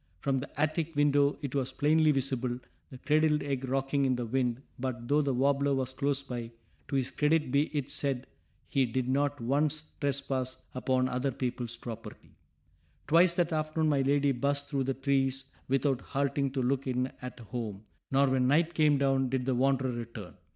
From the attic window it was plainly visible, the cradled egg rocking in the wind, but, though the warbler was close by, to his credit be it said he did not once trespass upon other people's property. Twice that afternoon my lady buzzed through the trees without halting to look in at home, nor when night came down did the wanderer return.